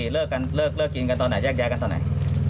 เลิกกันเลิกกินกันตอนไหนแยกย้ายกันตอนไหน